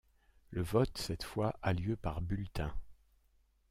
Le vote, cette fois, a lieu par bulletin.